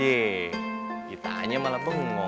yee ditanya malah pengemuk